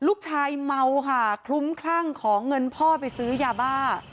เมาค่ะคลุ้มคลั่งขอเงินพ่อไปซื้อยาบ้า